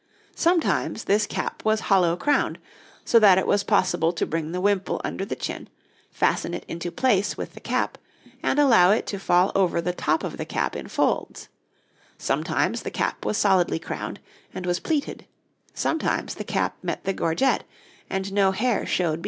Sometimes this cap was hollow crowned, so that it was possible to bring the wimple under the chin, fasten it into place with the cap, and allow it to fall over the top of the cap in folds; sometimes the cap was solidly crowned, and was pleated; sometimes the cap met the gorget, and no hair showed between them.